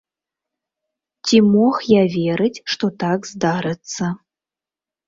Ці мог я верыць, што так здарыцца.